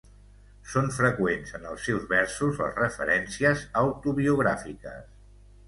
Són freqüents en els seus versos les referències autobiogràfiques.